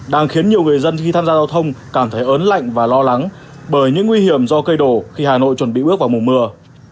đang khiến nhiều người dân khi tham gia giao thông cảm thấy ớn lạnh và lo lắng bởi những nguy hiểm do cây đổ khi hà nội chuẩn bị bước vào mùa mưa